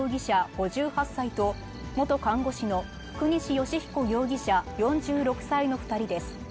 ５８歳と、元看護師の國司義彦容疑者４６歳の２人です。